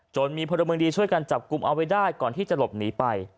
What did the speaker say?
จนมีพลเมืองดีช่วยกันจับกลุ่มเอาไว้ได้ก่อนที่จะหลบหนีไป